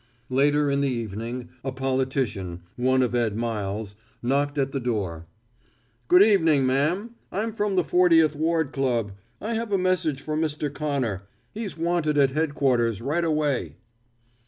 Later in the evening a politician, one of Ed Miles', knocked at the door. "Good evening, ma'am, I'm from the Fortieth Ward Club. I have a message for Mr. Connor. He's wanted at headquarters right away."